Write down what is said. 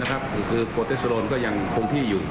คือโปรเตสโลนก็ยังคงที่อยู่